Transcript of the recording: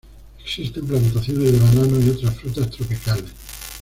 Existen plantaciones de banano y otras frutas tropicales.